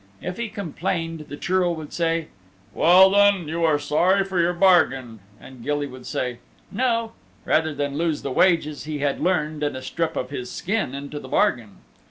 If he complained the Churl would say, "Well, then you are sorry for your bargain," and Gilly would say "No," rather than lose the wages he had earned and a strip of his skin into the bargain.